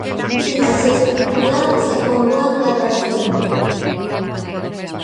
Viños estruturados e con boa graduación.